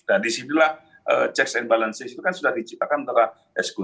dan disinilah check and balance itu sudah diciptakan oleh sku